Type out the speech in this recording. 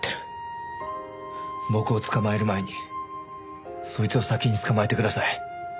僕を捕まえる前にそいつを先に捕まえてください。